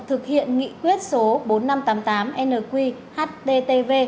thực hiện nghị quyết số bốn nghìn năm trăm tám mươi tám nqhttv